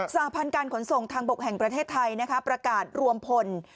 หพันธ์การขนส่งทางบกแห่งประเทศไทยประกาศรวมพล